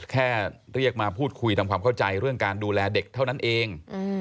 แค่เรียกมาพูดคุยทำความเข้าใจเรื่องการดูแลเด็กเท่านั้นเอง